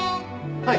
はい。